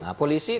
nah polisi kan